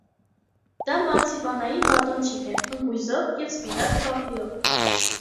Դա մարցիպանային բատոնչիկ է՝ ընկույզով և սպիտակ վաֆլիով։